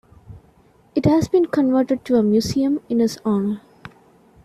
It has been converted to a museum in his honor.